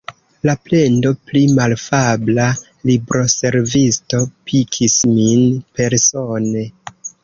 La plendo pri malafabla libroservisto pikis min persone.